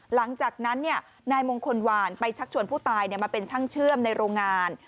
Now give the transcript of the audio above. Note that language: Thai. หลังจากนั้นนายมงคลหวานไปชักชวนผู้ตายมาเป็นช่างเชื่อมในโรงงาน